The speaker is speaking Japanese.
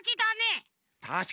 たしかに！